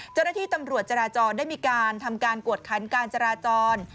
เจ้าหน้าที่ตำรวจจราจรได้มีการทำการกวดคันการจราจร